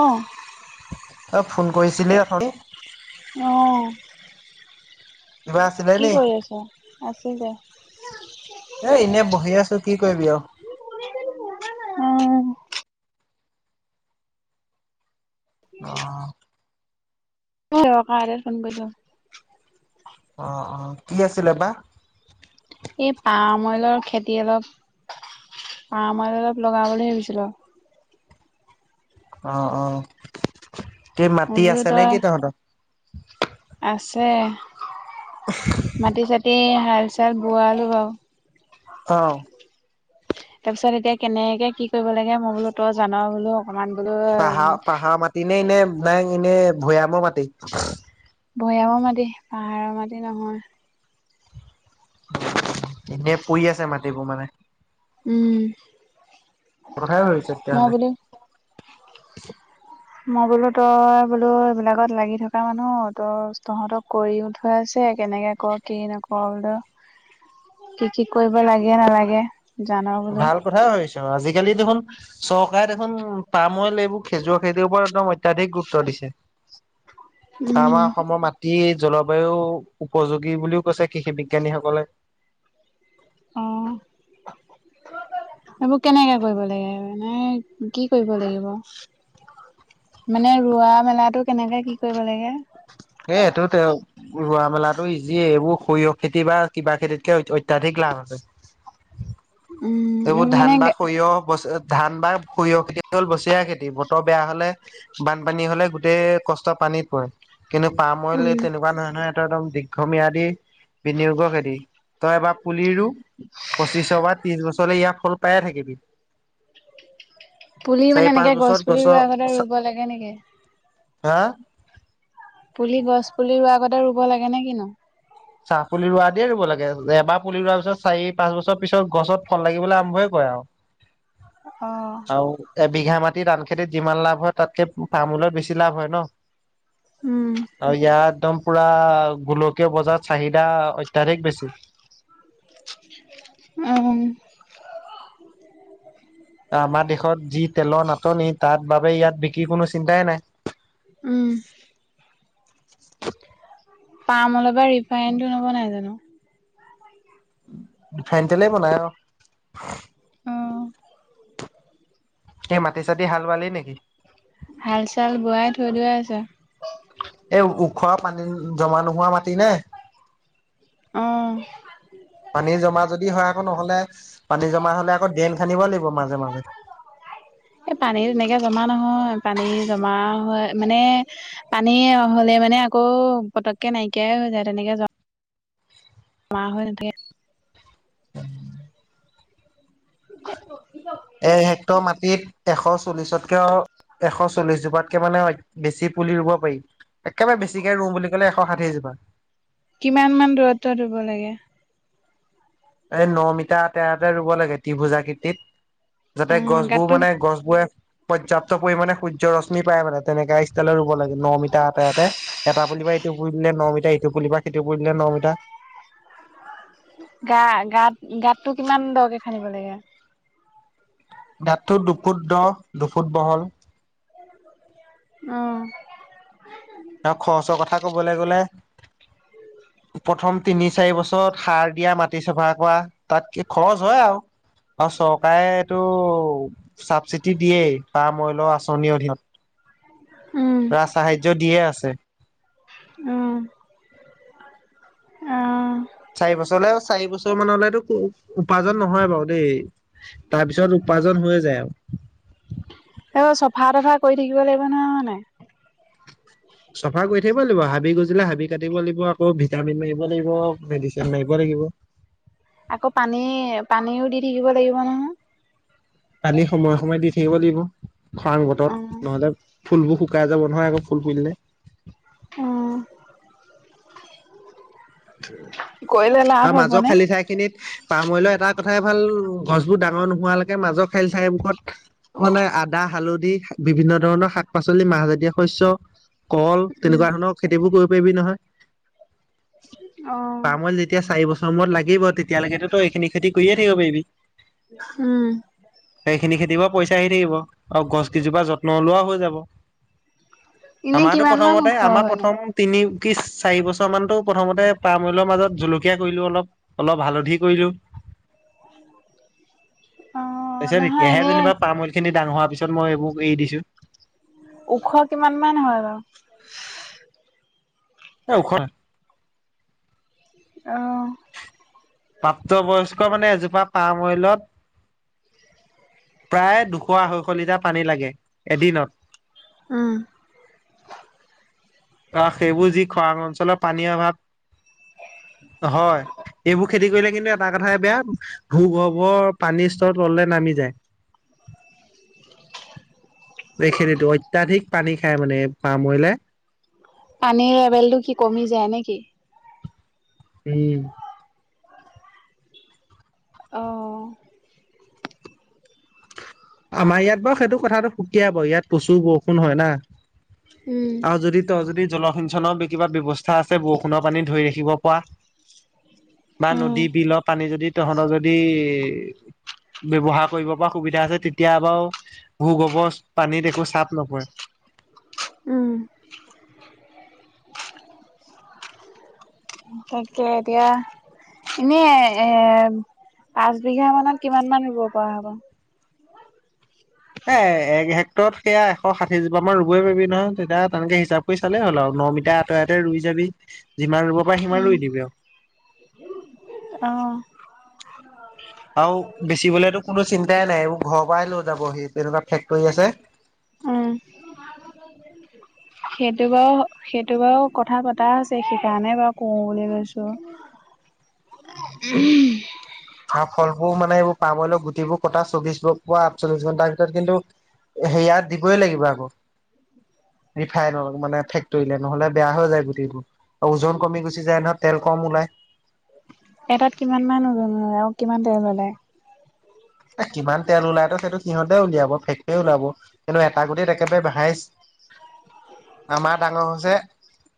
অ', তই ফোন কৰিছিলি অথনি? অ। কিবা আছিলে কি নি? কৰি আছ? আছো দে এ ইনেই বঢ়ি আছো কি কৰিবি আও। উম। অ। [unintelligible] কাৰণে ফোন কৰিছ। অ অ। কি আছিলে বা? এই পাম অইলৰ খেতি অলপ পাম অইল অলপ লগাও বুলি ভাবিছিলো। অ অ। কি মই মাটি বোলো আছে নে তই কি তহঁতৰ? আছে মাটি-চাতি হাল চাল বোৱালো বাও। অ। তাৰ পিছত এতিয়া কেনেকে কি কৰিব লাগে মই বোলো তই জানা বোলো অকমান বোলো পাহাৰ পাহাৰ মাটি নে ইনে নাই এনে ভৈয়ামৰ মাটি? ভৈয়ামৰ মাটি পাহাৰৰ মাটি নহয়। এনেই পৰি আছে মাটিবোৰ মানে। উম। কথাই ভাবিছো মই তেতিয়াহ'লে। বোলো মই বোলো তই বোলো এইবিলাকত লাগি থকা মানুহ তোৰ তহঁতক কৰিও থৈ আছে কেনেকে ক কি নক বোলো কি কি কৰিব লাগে নালাগে জান বোলো। ভাল কথাই ভাবিছ আজিকালি দেখোন চৰকাৰে দেখোন পামঅইল এইবোৰ খেজুৰ খেতিৰ ওপৰত একদম অত্যাধিক গুৰুত্ব দিছে। [unintelligible] আমাৰ অসমৰ মাটি জলবায়ু উপযোগী বুলিও কৈছে কৃষি বিজ্ঞানীসকলে। অ'। এইবোৰ কেনেকে কৰিব লাগে মানে কি কৰিব লাগিব? মানে ৰোৱা মেলাতো কেনেকে কি কৰিব লাগে? এ তো তে ৰোৱা মেলাতো ইজিয়ে এইবোৰ সৰিয়হ খেতি বা কিবা খেতিতকে অত্যাধিক লাভ আছে। উম। এইবোৰ মানে ধান বা সৰিয়হ ব ধান বা সৰিয়হ খেতি হ'ল বছীয়া খেতি। বতৰ বেয়া হ'লে বানপানী হ'লে গোটেই কষ্ট পানীত পৰে, কিন্তু পামআইল উম। তেনেকুৱা নহয়নহয়। কদম দীৰ্ঘম্যাদী বিনিয়োগৰ খেতি, তই এবাৰ পুলি ৰো পঁচিছৰ পা ত্ৰিশ বছৰলৈ ইয়াৰ ফল পায়ে থাকিবি। পুলি চাৰি মানে পাঁচ এনেকে গছ বছৰত পুলি গছৰ ৰৰুৱ আগতে ৰুব লাগে নেকি? হা। পুলি গছ পুলি ৰোৱাৰ আগতে ৰুব লাগে নেকি ন? চাহ পুলি ৰোৱা দিয়ে ৰুব লাগে, এবাৰ পুলি ৰোৱাৰ পিছত চাৰি পাঁচ বছৰ পিছত গছত ফল লাগিবলৈ আৰম্ভই কৰে আৰু। অ'। আৰু এ বিঘা মাটি ধান খেতিত যিমান লাভ হয় তাতকে পামআইলত বেছি লাভ হয় ন। উম। আৰু ইয়াত একদম পুৰা গোলকীয় বজাৰ চাহিদা অত্যাধিক বেছি। অ'। আমাৰ দেশত যি তেলৰ নাটনি তাৰ বাবে ইয়াত বিক্ৰিৰ কোনো চিন্তাই নাই। অ'। পাম অইলৰ পৰা ৰিফাইনটো নবনাই জানো? ৰিফাইনতেলেই বনায়া অ'। অ' সেই মাটি চাাটি হাল বালেই নেকি? হাল চাল বোৱাই থৈ দিয়া আছে। এই ওখো পানী জমা নোহোৱা মাটি নে? অ'। পানী জমা যদি হয় আকৌ নহ'লে পানী জমা হ'লে আকৌ ড্ৰেন খান্দিব লাগিব মাজে মাজে। এই পানী তেনেকে জমা নহয়, পানী জমা হয় মানে পানী হ'লে মানে আকৌ পতককে নাইকিয়াই হৈ যায়। তেনেকে যোৱা মা হৈ নথাকে। উম [unintelligible] এ হেক্টৰ মাটিত এশ চল্লিশতকৈ এশ চল্লিশ জোপাতকে মানে বেছি পুলি ৰুব পাৰি। একেবাৰে বেছিকে ৰুও বুলি কলে এশ ষাঠিজোপা। কিমান মান দূৰত্বত ৰুব লাগে? এই ন মিটাৰৰ আঁতৰে আঁতৰে ৰুব লাগে ত্ৰিভুজ আকৃতিত। যাতে উম গছবোৰ গাতটো মানে গছবোৰে পৰ্যাপ্ত পৰিমাণে সূৰ্য ৰশ্মি পায় মানে তেনেকুৱা ষ্টাইলত ৰুব লাগে ন মিটাৰ আঁতৰে আঁতৰে। এটা পুলিপা ইটো পুলিলে ন মিটাৰ, ইটো পুলিবা সিটো পুলিলে ন মিটাৰ। গা গাত গাতটো কিমান দকে খান্দিব লাগে? গাতটো দুফুট দ, দুফুট বহল। উম। তেওঁ খৰচৰ কথা কবলে গ'লে উম। প্ৰথম তিনি, চাৰি বছৰত সাৰ দিয়া, মাটি চফা কৰা তাত কি খৰচ হয় আও। অ চৰকাৰে এইটো চাবচিডি দিয়েই পাম অইলৰ আঁচনিৰ অধীনত। উম ৰাজ সাহাৰ্য দিয়েই আছে। উম। অ চাৰি বছৰলে চাৰি বছৰ মানলেটো উপাৰ্জন নহয় বাৰু দেই। তাৰপিছত উপাৰ্জন হৈয়ে যায় আও। সেইবোৰ চফা-তফা কৰি থাকিব লাগিব নহয় হয়নে? চফা কৰি থাকিব লাগিব, হাবি গজিলে হাবি কাটিব লাগিব, আকৌ ভিটামিন মাৰিব লাগিব, মেডিচিন মাৰিব লাগিব। আকৌ পানী পানীও দি থাকিব লাগিব নহয়? পানী সময়ে সময়ে দি থাকিব লাগিব খৰাং অ বতৰত নহ'লে ফুলবোৰ শুকাই যাব নহয় আকৌ ফুল ফুলিলে। উম। আৰু মাজৰ খালি ঠাই খিনিত পাম অইলৰ এটা কথাই ভাল গছবোৰ ডাঙৰ নোহোৱালৈকে মাজৰ খেল ঠাই বোকত মানে আদা, হালধি, বিভিন্ন ধৰণৰ শাক-পাচলি, মাহজাতীয় শস্য, কল উম তেনেকুৱা ধৰণৰ খেতিবোৰ কৰিব পাৰিবি নহয়। অ। পামত যেতিয়া চাৰি বছৰৰ মূৰত লাগিব তেতিয়ালেকেটো তই এইখিনি খেতি কৰিয়ে থাকিব পাৰিবি। উম সেইখিনি খেতি পৰাও পইচা আহি থাকিব আৰু গছকিজোপা যত্ন লোৱাও হৈ যাব। ইনেই আমাৰতো কিমান মান প্ৰথমতে ওখ আমাৰ হয় নো? প্ৰথম তিনি কি চাৰি বছৰ মানটো প্ৰথমতে পাম অইলৰ মাজত জলকী কীয়া কৰিলো অলপ, অলপ হালধি কৰিলো। অ তাৰপিছত নহয় এনে এতিয়াহে যেনিবা পাম অইল খিনি ডাঙৰ হোৱাৰ পিছত মই এইবোৰ এৰি দিছো। ওখ কিমান মান হয় বাৰু? এ ওখ নহয়। অ। প্ৰাপ্তবয়স্ক মানে এজোপা পাম অইলত প্ৰায় দুশ, আঢ়ৈশ লিটাৰ পানী লাগে এদিনত। উম। অ সেইবোৰ যি খৰাং অঞ্চলৰ পানীৰ অভাৱ হয় সেইবোৰ খেতি কৰিলে কিন্তু এটা কথাই বেয়া ভূগৰ্ভৰ পানীৰ স্তৰ তললে নামি যায়। এইখিনিটো অত্যাধিক পানী খাই মানে এই পাম অইলে। পানীৰ লেভেলটো কি কমি যায় নেকি? উম। অ'। আমাৰ ইয়াত বাৰু সেইটো কথাটো সুকীয়া বাৰু ইয়াত প্ৰচুৰ বৰষুণ হয় না। উম। আৰু যদি ত যদি জলসিঞ্চনৰ কিবা ব্যৱস্থা আছে বৰষুণৰ পানী ধৰি ৰাখিব পৰা বা নদী বিলৰ পানী যদি তহতৰ যদি ব্যৱহাৰ কৰিব পা সুবিধা আছে তেতিয়া বাৰু ভূ গোবৰ পানীত একো চাপ নপৰে। উম। তাকে এতিয়া এনে এ পাঁচ বিঘা মানত কিমান মান ৰুব পৰা হ'ব। এ এক হেক্টৰত সেয়া এশ ষাঠি জোপা আমাৰ ৰুবই পাৰি নহয় তেতিয়া তেনেকে হিচাপ কৈ চালে হ'ল আৰু ন মিটাৰ আতৰে আতৰে ৰুই ই যাবি যিমান ৰুব পাৰ উম সিমান ৰুই দিবি আৰু। অ'। আৰু বেচিবলেতো কোনো চিন্তাই নাই এইবোৰ ঘৰৰ পৰাই লৈ যাব সি তেনেকুৱা ফেক্টৰী আছে। উম সেইটো বাৰু সেইটো বাৰু কথা পতা আছে সেইকাৰণে বাৰু কওঁ বুলি কৈছোঁ। উম। আৰু ফলবোৰ মানে এইবোৰ পামৰিও গুটিবোৰ কটা চৌবিশ পৰা আঠচল্লিশ ঘন্টাৰ ভিতৰত কিন্তু সেয়াত দিবই লাগিব আকৌ। ৰিফাইন মানে ফেক্টৰীলে নহ'লে বেয়া হৈ যায় গুটিবোৰ ওজন কমি গুচি যায় নহয়। তেল কম ওলাই। এটাত কিমান মমান আৰু কিমান তেল ওলায়। এ কিমান তেল ওলাই ত সেইটো সিহঁতে উলিয়াব ফেক্টৰী ওলাব। কিন্তু এটা গুটিত একেবাৰে হাইচ্ছ আমাৰ ডাঙৰ হৈছে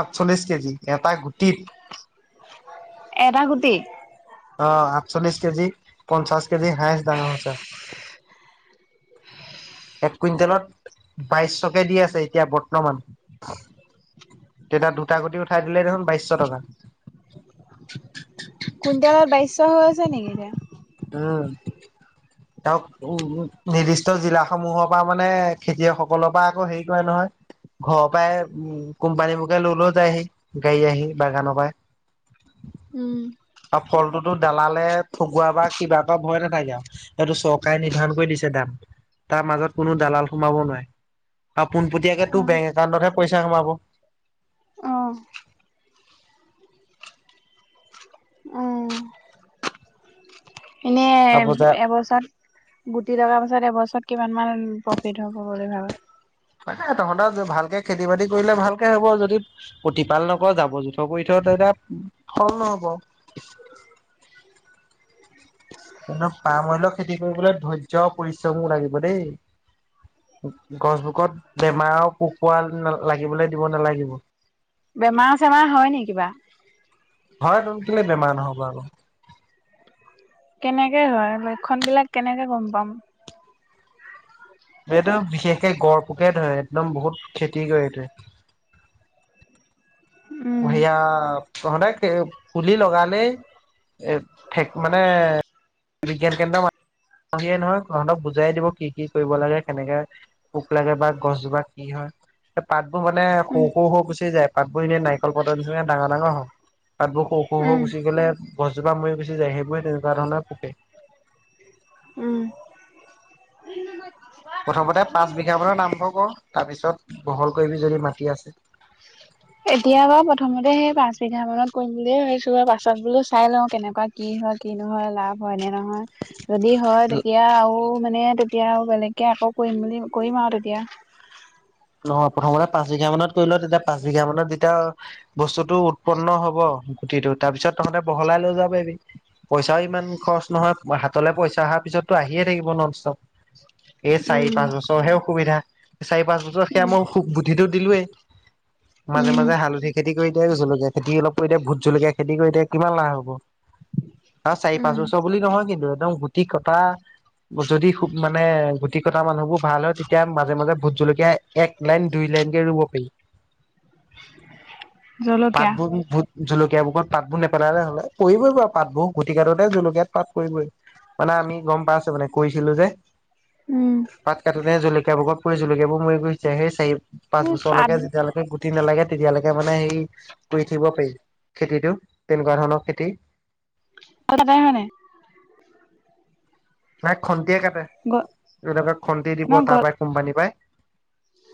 আঠচল্লিশ কেজি এটা গুটিত এটা গুটি অ', আঠচল্লিশ কেজি পঞ্চাশ কেজি হাইস্ট ডাঙৰ হৈছে। এক কুইণ্টেলত বাইছশকে দি আছে এতিয়া বৰ্তমান। তেতিয়া দুটা গুটি উঠাই দিলে দেখোন বাইছশ টকা। কুইণ্টেলত বাইশ হৈ আছে নেকি এতিয়া? উম, [unintelligible] উম, নিৰ্দিষ্ট জিলা সমূহৰ পৰা মানে, খেতিয়কসকলৰ পৰা আকৌ হেৰি কৰে নহয় ঘৰৰ পৰাই উ কোম্পানীবোৰকে লৈ, লৈ যায়হি, গাড়ী আহি বাগানৰ পৰা। উম। ফলটোতো দালালে। [unintelligible] কিবা এটা ভয় নাথাকে আৰু সেইটো চৰকাৰে নিৰ্ধাৰণ কৰি দিছে দাম। তাৰ মাজত কোনো দালাল সোমাব নোৱাৰে আৰু পোনপটীয়াকৈ তোৰ অ', বেংক একাউণ্টতহে পইচা সোমাব। অ'। উম। এ, আপোজা এবছৰত [unintelligible] পাছত এবছৰত কিমান মান প্ৰফিট হ'ব বুলি ভাবা? তহঁতেৰ ভালকে খেতি-বাতি কৰিলে ভালকে হ'ব যদি প্ৰতিপাল নকৰ, জাবৰ-জোঁথৰ কৰি থ' তেতিয়া ফল নহ'ব। একদম পাম অইলৰ খেতি কৰিবলৈ ধৈৰ্য্য, পৰিশ্ৰমো লাগিব দেই। গছবোৰত বেমাৰৰ পোক-পৰুৱা লাগিবলৈ দিব নালাগিব। বেমাৰ-চেমাৰ হয় নেকি কিবা? হয়তো, কেলেই বেমাৰ নহ'ব আকৌ। কেনেকে হয লক্ষণবিলাক কেনেকে গম পাম? এইটো বিশেষকে গড় পোকে ধৰে, একদম বহুত ক্ষতি কৰে এইটোৱে। উম। আকো সেইয়া তহঁতে পুলি লগালেই এঠেক মানে বিজ্ঞান কেন্দ্ৰৰ মা মাতিলে নহয়, তহঁতক বুজাই দিব কি কি কৰিব লাগে, কেনেকে পোক লাগে বা গছজোপাত কি হয়, পাতবোৰ মানে সৰু উম, সৰু হৈ গুচি যায়, পাতবোৰ ইনেই নাই নাৰিকল পাতৰ নিচিনা ডাঙৰ ডাঙৰ হয়। পাতবোৰ সৰু সৰু হৈ উম। গুচি গ'লে, গছজোপা মৰি গুচি যায় সেইবোৰে তেনেকুৱা ধৰণৰ পোকেই। উম। প্ৰথমতে পাঁচ বিঘা মানত আৰম্ভ কৰ, তাৰ পিছত বহল কৰিবি যদি মাটি আছে। এতিয়া বাৰু প্ৰথমতে সেই পাঁচ বিঘা মানত কৰিম বুলিয়ে ভাবিছো আৰু পাছত বোলো চাই লওঁ কেনেকুৱা কি হয়, কি নহয়, লাভ হয় নে নহয় যদি হয় তেতিয়া আৰু মানে তে তেতিয়া আৰু বেলেগকে আকৌ কৰিম বুলি কৰিম আৰু তেতিয়া। নহয়, প্ৰথমতে পাঁচ বিঘা মানত কৰি ল তেতিয়া পাঁচ বিঘা মানত যেতিয়া বস্তুটো উৎপন্ন হ'ব, গুটিটো তাৰপিছত তহঁতে বহলাই লৈ যাব পাৰিবি। পইচাও ইমান খৰচ নহয়, হাতলে পইচা অহাৰ পিছতটো আহিয়ে থাকিব ননষ্টপ। এই চাৰি, উম। পাঁচ বছৰহে অসুবিধা চাৰি, পাঁচ বছৰ উম, তোক বুধিটো দিলোৱেই, মাজে উম। মাজে হালধি খেতি কৰি থাকিবি জলকীয়া খেতি খেতি অলপ কৰি দে। ভোট জলকীয়া খেতি কৰি দে, কিমান লাভ হ'ব। আৰু চাৰি, পাঁচ উম। বছৰ বুলি নহয় কিন্তু একদম গুটি কটা যদি মানে গুটি কটা মানুহবোৰ ভাল হয় তেতিয়া মাজে মাজে ভোট জলকীয়া এক লাইন, দুই লাইনকে ৰুব পাৰি জলকীয়া পাতবোৰ ভোট জলকীয়াবোকত পাতবোৰ নেপেলালে হ'লে, পৰিবই বাও পাতবোৰ, গুটি কাটোতে জলকীয়াত পাত পৰিবই। মানে আমি গম পাই আছো মানে, কৰিছিলো যে উম। পাত কটোতে জলকীয়াবোকত পৰি জলকীয়াবোৰ মৰি গৈছে, সেই চাৰি, পাঁচ এই পাত বছৰলেকে যেতিয়ালেকে গুটি নালাগে তেতিয়ালেকে মানে সেই কৰি থাকিব পাৰি খেতিটো, তেনেকুৱা ধৰণৰ খেতি। [unintelligible] হয় নে? নাই খন্তিয়ে কাটে, গ এইবিলাকত খন্তি দিব ন গ তাৰ পাই কোম্পানী পাই।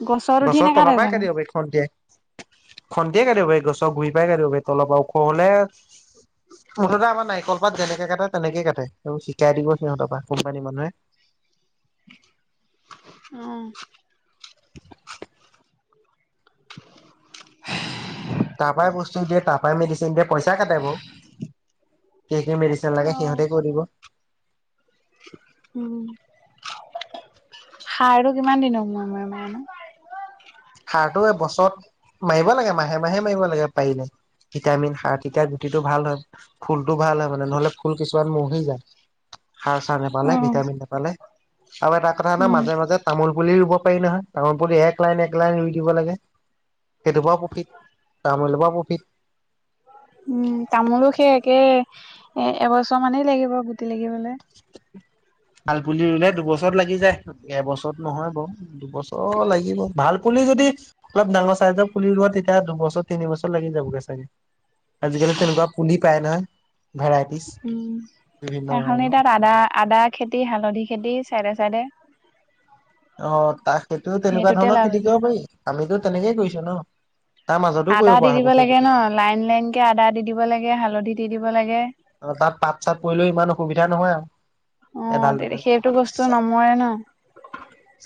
গছত উঠি গছৰ তলৰ নাকাটে পৰাই জানো? কাটিব পাৰি। খন্তিয়ে। খন্তিয়ে কাটিব পাৰি, গছৰ গুৰি পাই কাটিব পাৰি তলৰপৰা ওখ হ'লে মুঠতে আমাৰ নাৰিকল পাত যেনেকে কাটে তেনেকেই কাটে, সেইবোৰ শিকাই দিব সিহঁতৰ পৰা কোম্পানীৰ মানুহে। অ। [unintelligible] তাৰ পাই বস্তু দিয়ে, তাৰ পাই মেডিচিন দিয়ে পইচা কাটে বাও। কি কি মেডিচিন অ লাগে সিহঁতিয়ে কৈ দিব। উম। সাৰটো কিমান দিনৰ মুৰে মুৰে মাৰে? সাৰটো এবছৰত মাৰিব লাগে মাহে মাহে মাৰিব লাগে পাৰিলে ভিটামিন, সাৰ তেতিয়া গুটিটো ভাল হয়। ফুলটো ভাল হয় মানে নহ'লে ফুল কিছুমান মৰহি যায়। সাৰ-চাৰ অ নেপালে, ভিটামিন নেপালে আৰু এটা কথা নহয় উম। মাজে মাজে তামোল পুলি ৰুব পাৰি নহয়, তামোল পুলি এক লাইন এক ৰুই দিব লাগে, সেইটোৰ পৰাও প্ৰফিট, তামোলৰ পৰাও প্ৰফিট। উম তামোলো সেই একে এ এবছৰ মানেই লাগিব গুটি লাগিবলে। [inaudible] শালপুলি ৰুলে দুবছৰত লাগি যায়, এবছৰত নহয় বাৰু। দুবছৰ লাগিব ভাল পুলি যদি অলপ ডাঙৰ চাইজৰ পুলি ৰুৱা তেতিয়া দুবছৰ তিনি বছৰ লাগি যাবগে ছাগে। আজিকালি তেনেকুৱা পুলি পায় নহয় ভেৰাইটিজ উম বিভিন্ন এখনি ধৰণৰ তাত আদা, আদা খেতি, হালধি খেতি চাইডে চাইডে অ' তাক সেইটো তেনেকুৱা সেইটোতে ধৰণৰ লাভ খেতি আছে। কৰিব পাৰি আমিতো তেনেকেই কৰিছো ন তাৰ মাজতো আদা কৰিব দি পৰা দিব হ'ব লাগে সেইবোৰ ন খেতি লাইন লাইন কে আদা দি দিব লাগে, হালধি দি দিব লাগে। আৰু তাত পাত চাত পৰিলেও ইমান অসুবিধা নহয় আৰু। এডাল অ' দুডাল। সেইটো বস্তুৰ নমৰে ন।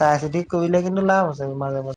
চাই চিতি কৰিলে কিন্তু লাভ আছে মাজে মাজে